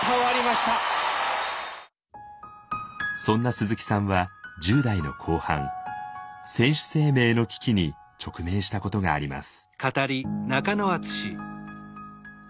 そんな鈴木さんは１０代の後半選手生命の危機に直面したことがあります。